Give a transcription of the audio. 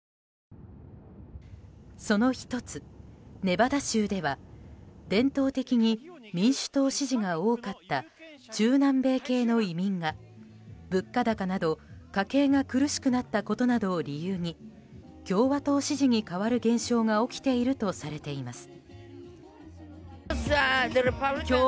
その１つ、ネバダ州は伝統的に民主党支持が多かった中南米系の移民が物価高など、家計が苦しくなったことなどを理由に共和党支持に変わる現象が起きているとされています。